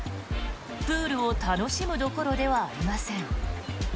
プールを楽しむどころではありません。